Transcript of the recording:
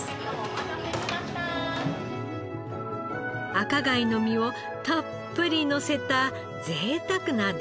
赤貝の身をたっぷり乗せたぜいたくな丼。